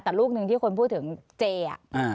แต่ลูกหนึ่งที่คนพูดถึงเจอ่ะ